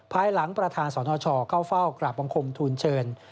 ภายหลังประธานสนชเข้าเฝ้ากราบบังคมทูลเชิญ